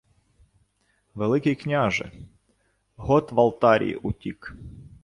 — Великий княже... Гот Валтарій утік.